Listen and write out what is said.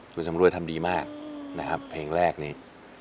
คุณสำรวยทำดีมากนะครับเพลงแรกนี่